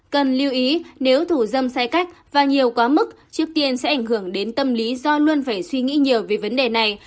cần lưu ý nếu thủ dâm sai cách và nhiều quá mức trước tiên sẽ ảnh hưởng đến tâm lý do luôn phải suy nghĩ nhiều về vấn đề này